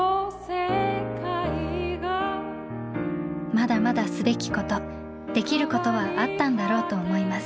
「まだまだすべきこと出来ることはあったんだろうと思います。